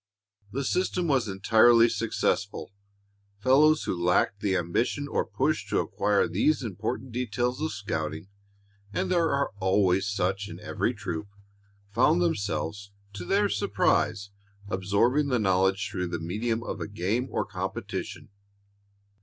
The system was entirely successful. Fellows who lacked the ambition or push to acquire these important details of scouting and there are always such in every troop found themselves, to their surprise, absorbing the knowledge through the medium of a game or competition.